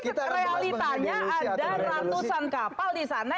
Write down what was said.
realitanya ada ratusan kapal di sana